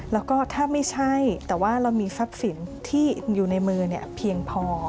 แล้วก็ถ้าไม่ใช่แต่ว่าเรามีทรัพย์สินที่อยู่ในมือเพียงพอ